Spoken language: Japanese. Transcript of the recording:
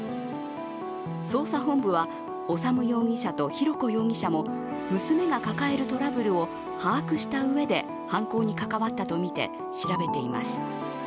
捜査本部は、修容疑者と浩子容疑者も娘が抱えるトラブルを把握したうえで犯行に関わったとみて調べています。